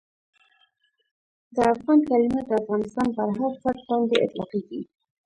د افغان کلیمه د افغانستان پر هر فرد باندي اطلاقیږي.